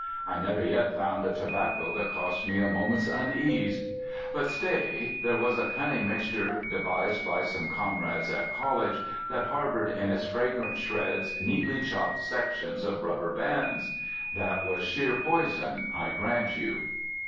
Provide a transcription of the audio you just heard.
I never yet found a tobacco that cost me a moment's unease—but stay, there was a cunning mixture devised by some comrades at college that harboured in its fragrant shreds neatly chopped sections of rubber bands. That was sheer poison, I grant you.